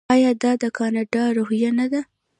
آیا دا د کاناډا روحیه نه ده؟